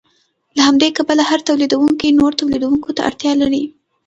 له همدې کبله هر تولیدونکی نورو تولیدونکو ته اړتیا لري